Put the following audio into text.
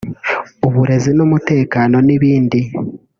uburezi n’umutekano n’ibindi